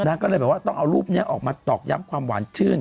นางก็เลยแบบว่าต้องเอารูปนี้ออกมาตอกย้ำความหวานชื่น